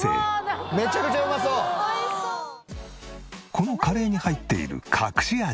このカレーに入っている隠し味